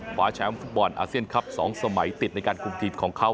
คว้าแชมป์ฟุตบอลอาเซียนคลับ๒สมัยติดในการคุมทีมของเขา